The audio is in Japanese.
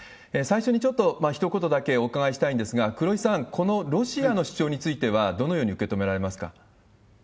最初にちょっとひと言だけお伺いしたいんですが、黒井さん、このロシアの主張についてはどのように受け止められますか？